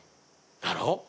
だろ？